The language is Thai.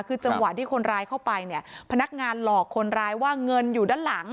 คือจังหวะที่คนร้ายเข้าไปเนี่ยพนักงานหลอกคนร้ายว่าเงินอยู่ด้านหลัง